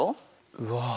うわ。